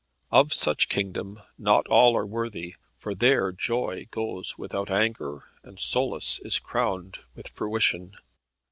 Of such kingdom not all are worthy: for there joy goes without anger, and solace is crowned with fruition.